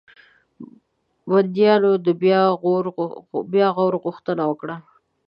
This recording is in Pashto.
بنديانو د بیا غور غوښتنه وکړه.